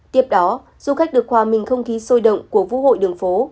tiếp đó du khách được hòa mình không khí sôi động của vũ hội đường phố